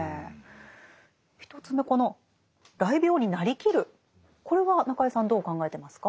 １つ目この「癩病に成りきる」これは中江さんどう考えてますか？